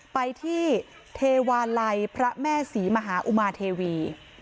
ไปที่เทวาลัยพระแม่ศรีมหาอุมาเทวี